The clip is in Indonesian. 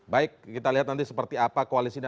baik kita lihat nanti seperti apa koalisi ini